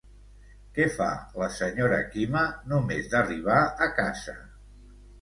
Què fa, la senyora Quima, només d'arribar a casa?